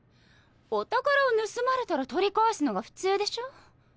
お宝を盗まれたら取り返すのが普通でしょ。